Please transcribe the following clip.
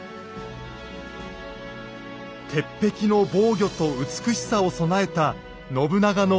鉄壁の防御と美しさを備えた信長の安土城。